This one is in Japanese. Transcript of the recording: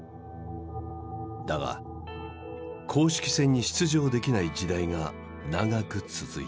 だが公式戦に出場できない時代が長く続いた。